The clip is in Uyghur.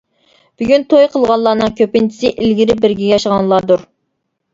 بۈگۈن توي قىلغانلارنىڭ كۆپىنچىسى ئىلگىرى بىرگە ياشىغانلاردۇر.